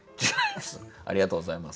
ありがとうございます。